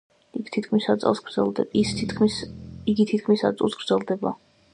იგი თითქმის ათ წუთს გრძელდება.